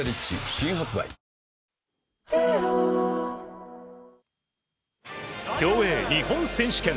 新発売競泳日本選手権。